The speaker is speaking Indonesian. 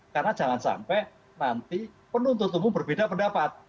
karena jangan sampai nanti penuntut tentu berbeda pendapat